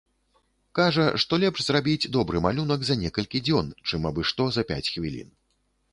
Кажа, што лепш зрабіць добры малюнак за некалькі дзён, чым абы-што за пяць хвілін.